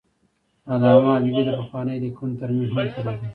علامه حبیبي د پخوانیو لیکنو ترمیم هم کړی دی.